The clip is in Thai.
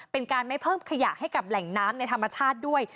เป็นการไม่เพิ่มขยะให้กับแหล่งน้ำในธรรมชาติด้วย